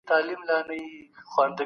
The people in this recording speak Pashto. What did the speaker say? سياست تل د بدلون په حال کي دی.